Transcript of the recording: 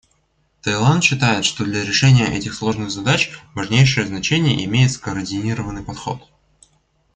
Таиланд считает, что для решения этих сложных задач важнейшее значение имеет скоординированный подход.